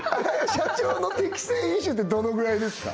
社長の適正飲酒ってどのぐらいですか？